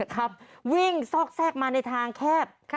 ขับวิ่งซอกแทรกมาในทางแคบ